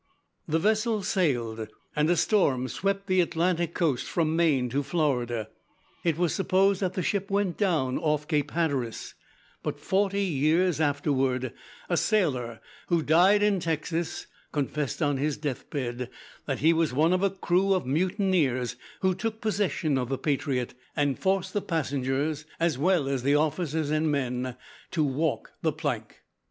The vessel sailed and a storm swept the Atlantic coast from Maine to Florida. It was supposed that the ship went down off Cape Hatteras, but forty years afterward, a sailor, who died in Texas, confessed on his death bed that he was one of a crew of mutineers who took possession of the Patriot and forced the passengers, as well as the officers and men, to walk the plank.